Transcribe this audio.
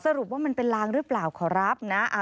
ว่ามันเป็นลางหรือเปล่าขอรับนะ